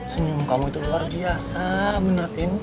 senyum kamu itu luar biasa bu natin